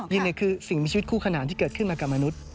ินคือสิ่งมีชีวิตคู่ขนานที่เกิดขึ้นมากับมนุษย์